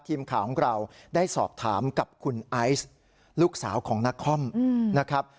ทีมข่าวของเราได้สอบถามกับคุณไอซ์ลูกสาวของนครนะครับ